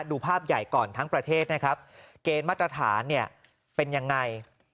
ดูภาพใหญ่ก่อนทั้งประเทศนะครับเกณฑ์มาตรฐานเนี่ยเป็นยังไง